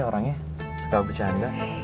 orangnya suka bercanda